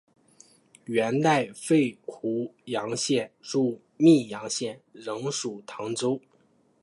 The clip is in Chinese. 元代废湖阳县入泌阳县仍属唐州。